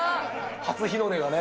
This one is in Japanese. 初日の出がね。